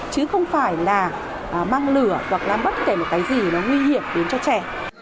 chứ không phải là mang lửa hoặc làm bất kể một cái gì nó nguy hiểm đến cho trẻ